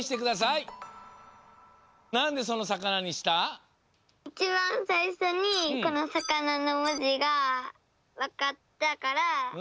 いちばんさいしょにこのさかなのもじがわかったから。